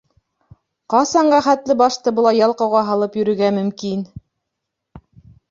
Ҡасанға хәтле башты былай ялҡауға һалып йөрөргә мөмкин?!